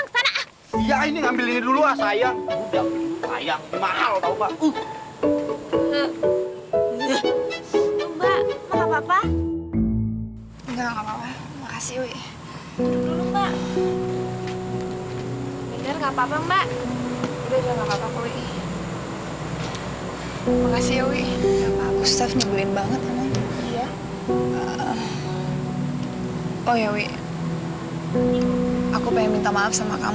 sebetulnya dewi juga pengen minta maaf sama mbak